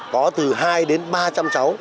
có từ hai ba trăm linh cháu